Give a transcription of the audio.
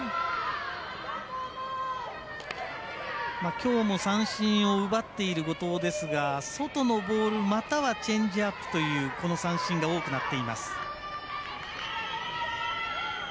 きょうも三振を奪っている後藤ですが外のボール、またはチェンジアップというこの三振が多くなっています。